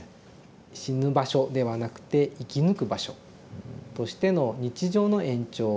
死ぬ場所ではなくて生き抜く場所としての日常の延長。